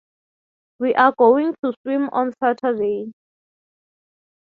We are going to swim on Saturday.